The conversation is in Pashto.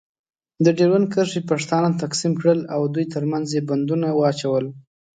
د ډیورنډ کرښې پښتانه تقسیم کړل. او دوی ترمنځ یې بندونه واچول.